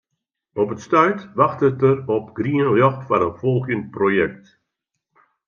Op it stuit wachtet er op grien ljocht foar in folgjend projekt.